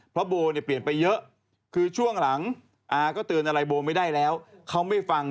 เพราะโบเนี่ยเปลี่ยนไปเยอะคือช่วงหลังอาก็เตือนอะไรโบไม่ได้แล้วเขาไม่ฟัง